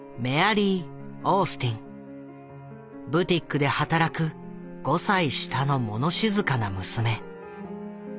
ブティックで働く５歳下の物静かな娘。